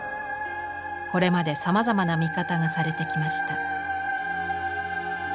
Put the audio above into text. これまでさまざまな見方がされてきました。